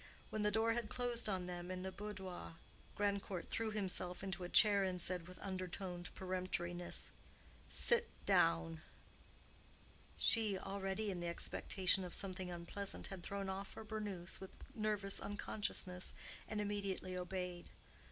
When the door had closed on them in the boudoir, Grandcourt threw himself into a chair and said, with undertoned peremptoriness, "Sit down." She, already in the expectation of something unpleasant, had thrown off her burnous with nervous unconsciousness, and immediately obeyed.